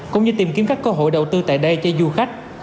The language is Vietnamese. cũng như tìm kiếm các cơ hội đầu tư tại đây cho du khách